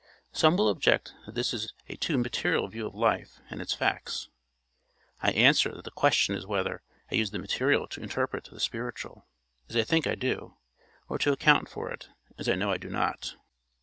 Some will object that this is a too material view of life and its facts. I answer that the question is whether I use the material to interpret the spiritual, as I think I do, or to account for it, as I know I do not.